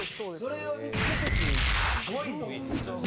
それを見付けてくるってすごいですよね。